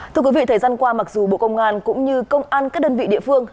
thưa quý vị thời gian qua mặc dù bộ công an cũng như công an các đơn vị địa phương